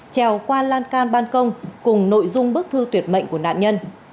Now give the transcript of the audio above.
trèo qua lan can ban công cùng nội dung bức thư tuyệt mệnh của nạn nhân